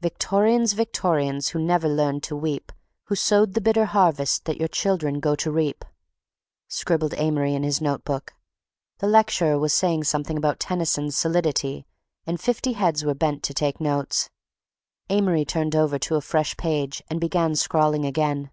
Victorians, Victorians, who never learned to weep Who sowed the bitter harvest that your children go to reap— scribbled Amory in his note book. The lecturer was saying something about Tennyson's solidity and fifty heads were bent to take notes. Amory turned over to a fresh page and began scrawling again.